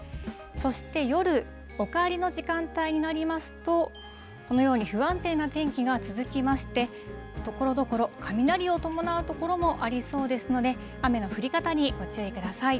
そして夜、お帰りの時間帯になりますと、このように、不安定な天気が続きまして、ところどころ、雷を伴う所もありそうですので、雨の降り方にご注意ください。